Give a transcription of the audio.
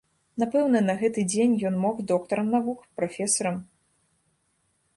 Напэўна, на гэты дзень ён мог доктарам навук, прафесарам.